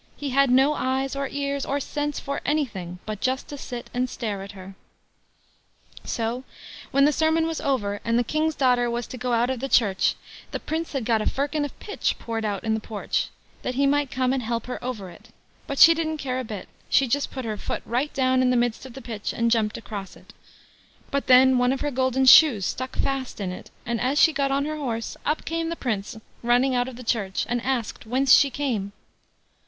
He had no eyes, or ears, or sense for anything, but just to sit and stare at her. So when the sermon was over, and the King's daughter was to go out of the church, the Prince had got a firkin of pitch poured out in the porch, that he might come and help her over it; but she didn't care a bit—she just put her foot right down into the midst of the pitch, and jumped across it; but then one of her golden shoes stuck fast in it, and as she got on her horse, up came the Prince running out of the church, and asked whence she came.